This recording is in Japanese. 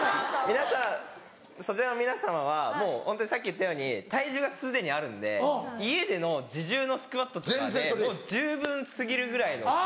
皆さんそちらの皆様はもうホントにさっき言ったように体重がすでにあるんで家での自重のスクワットとかでもう十分過ぎるぐらいの。